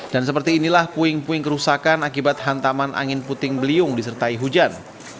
dan seperti inilah puing puing kerusakan akibat hantaman angin puting beliung disertai hujan